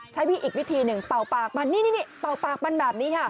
ใช้วิธีอีกวิธีหนึ่งเป่าปากมันนี่เป่าปากมันแบบนี้ค่ะ